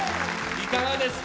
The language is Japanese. いかがですか？